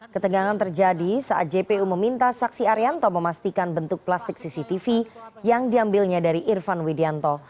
ketegangan terjadi saat jpu meminta saksi arianto memastikan bentuk plastik cctv yang diambilnya dari irfan widianto